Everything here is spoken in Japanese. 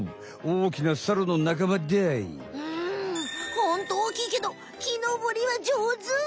ホントおおきいけど木のぼりはじょうず！